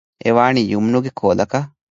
އެވާނީ ޔުމްނުގެ ކޯލަކަށް